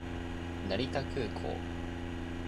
成田空港